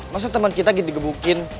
masa temen kita gitu di gebukin